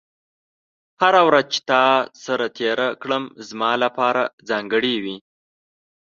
هره ورځ چې تا سره تېره کړم، زما لپاره ځانګړې وي.